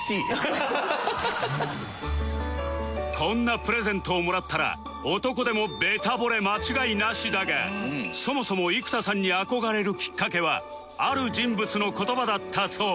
こんなプレゼントをもらったら男でもベタぼれ間違いなしだがそもそも生田さんに憧れるきっかけはある人物の言葉だったそう